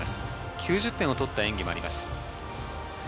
９０点を取った演技もあります。